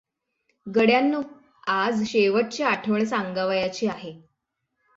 "गड्यांनो! आज शेवटची आठवण सांगावयाची आहे.